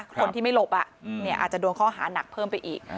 คนที่ไม่หลบอาจจะโดนข้อหานักเพิ่มไปอีก